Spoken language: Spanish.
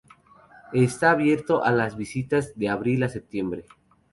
Está abierto a las visitas de abril a septiembre.